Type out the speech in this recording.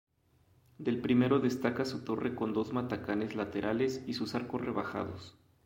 Del primero destaca su torre con dos matacanes laterales y sus arcos rebajados.